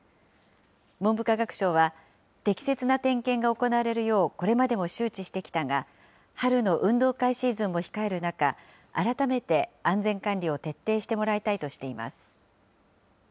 文部科学省は、適切な点検が行われるようこれまでも周知してきたが、春の運動会シーズンも控える中、改めて安全管理を徹底してもらいたいとしています。